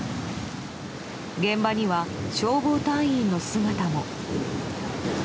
現場には消防隊員の姿も。